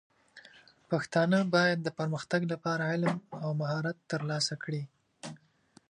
پښتانه بايد د پرمختګ لپاره علم او مهارت ترلاسه کړي.